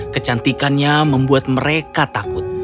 kecantikannya membuat mereka takut